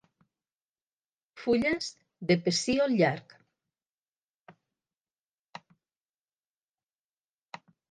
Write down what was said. Fulles de pecíol llarg.